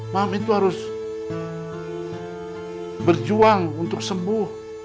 mami tuh harus berjuang untuk sembuh